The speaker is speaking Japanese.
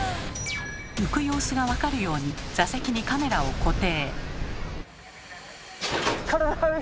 浮く様子が分かるように座席にカメラを固定。